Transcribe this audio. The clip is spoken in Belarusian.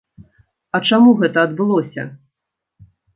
А чаму гэта адбылося?